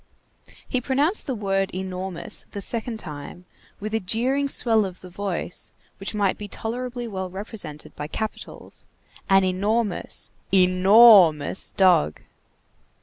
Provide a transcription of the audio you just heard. He pronounced the word enormous the second time with a jeering swell of the voice which might be tolerably well represented by capitals: "an enormous, ENORMOUS dog."